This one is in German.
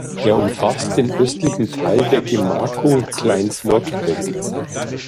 Es umfasst den östlichen Teil der Gemarkung Klein Flottbek.